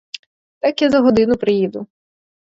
Так я за годину приїду.